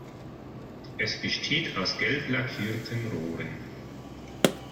Es besteht aus gelb lackierten Rohren.